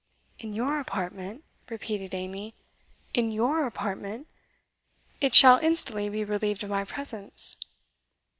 "In your apartment?" repeated Amy "in YOUR apartment? It shall instantly be relieved of my presence."